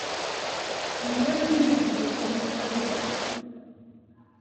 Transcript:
Yella win ay d-yusan mi ɣabeɣ?